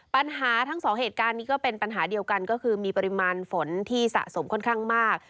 ปัญหาทั้งสองเหตุการณ์นี้ก็เป็นปัญหาเดียวกันก็คือมีปริมาณฝนที่สะสมค่อนข้างมาก